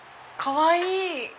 かわいい？